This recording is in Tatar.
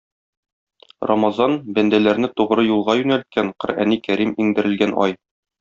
Рамазан - бәндәләрне тугры юлга юнәлткән Коръәни Кәрим иңдерелгән ай.